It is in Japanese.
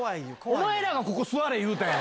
お前らがここ、座れ言うたんや。